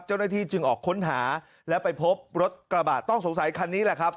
เจ้าหน้าที่จึงออกค้นหาและไปพบรถกระบะต้องสงสัยคันนี้แหละครับ